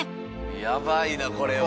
ヤバいなこれは。